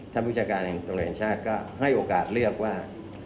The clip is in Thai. ท่านวิชาการตำรวจแห่งชาติก็ให้โอกาสเลือกว่า